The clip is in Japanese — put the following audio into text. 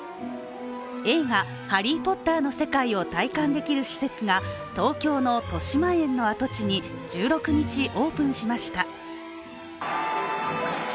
映画「ハリー・ポッター」の世界を体感できる施設が東京のとしまえんの跡地に１６日オープンしました。